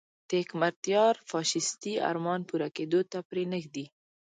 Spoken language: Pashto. د حکمتیار فاشیستي ارمان پوره کېدو ته پرې نه ږدي.